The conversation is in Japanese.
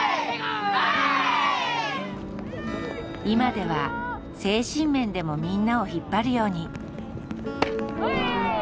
今では精神面でもみんなを引っ張るように。